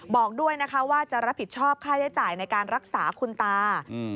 บอกด้วยนะคะว่าจะรับผิดชอบค่าใช้จ่ายในการรักษาคุณตา